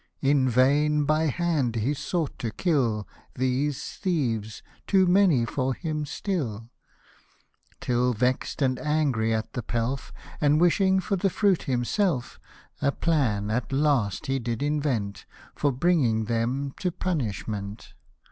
In vain by hand he sought to kill These thieves, too many for him still ; Till vex'd and angry at the pelf, And wishing for the fruit himself, A plan, at last, he did invent, For bringing them to punishment.